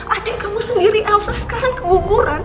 adik kamu sendiri elsa sekarang keguguran